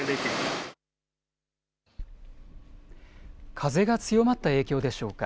風が強まった影響でしょうか。